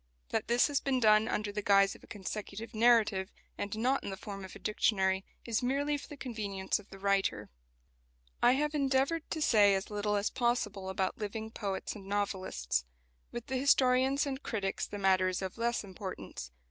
That this has been done under the guise of a consecutive narrative, and not in the form of a dictionary, is merely for the convenience of the writer. I have endeavoured to say as little as possible about living poets and novelists. With the historians and critics the matter is of less importance.